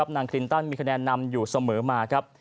คลินตันมีคะแนนนำอยู่เสมอมาครับ